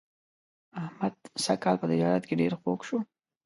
احمد سږ کال په تجارت کې ډېر خوږ شو.